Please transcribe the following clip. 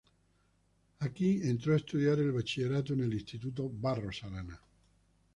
Aquí entró a estudiar el bachillerato en el Instituto Barros Arana.